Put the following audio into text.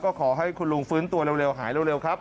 ก็ขอให้คุณลุงฟื้นตัวเร็วหายเร็วครับ